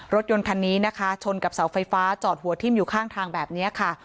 รถยนต์คันนี้นะคะชนกับเสาไฟฟ้าจอดหัวทิ้มอยู่ข้างทางแบบนี้ค่ะ